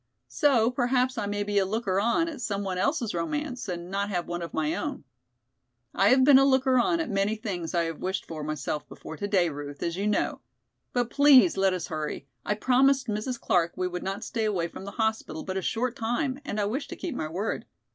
So perhaps I may be a looker on at some one else's romance and not have one of my own. I have been a looker on at many things I have wished for myself before today, Ruth, as you know. But please let us hurry. I promised Mrs. Clark we would not stay away from the hospital but a short time and I wish to keep my word.